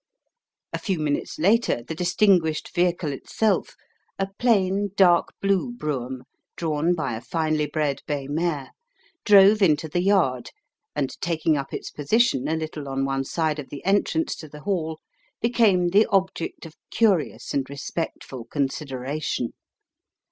A few minutes later the distinguished vehicle itself a plain, dark blue brougham, drawn by a finely bred bay mare drove into the yard, and, taking up its position a little on one side of the entrance to the Hall, became the object of curious and respectful consideration.